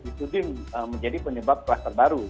itu juga menjadi penyebab kelas terbaru